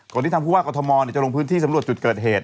ที่ทางผู้ว่ากรทมจะลงพื้นที่สำรวจจุดเกิดเหตุ